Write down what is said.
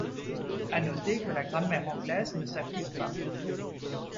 À noter que la grammaire anglaise ne s'applique pas.